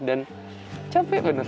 dan capek bener